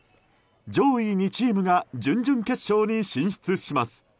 上位２チームが準々決勝に進出します。